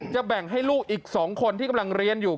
แบ่งให้ลูกอีก๒คนที่กำลังเรียนอยู่